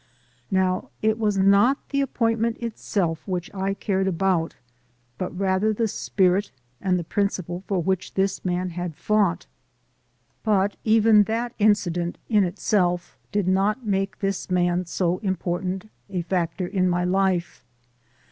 Now it was not the appointment itself which I cared about, but rather the spirit and the principle MY AMERICAN BIG BROTHER 221 for which this man had fought. But even that in cident in itself did not make this man so important a factor in my life.